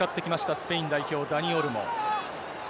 スペイン代表、ダニ・オルモ。